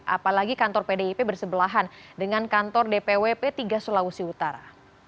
apalagi kantor pdip bersebelahan dengan kantor dpw p tiga sulawesi utara